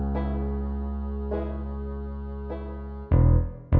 mau kerja apa